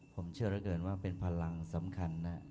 ผมเชื่อเหลือเกินว่าเป็นพลังสำคัญนะ